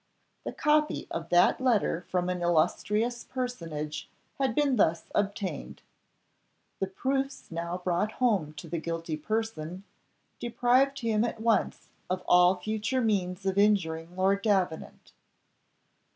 The copy of that letter from an illustrious personage had been thus obtained. The proofs now brought home to the guilty person, deprived him at once of all future means of injuring Lord Davenant.